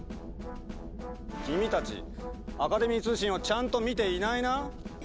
⁉君たちアカデミー通信をちゃんと見ていないな？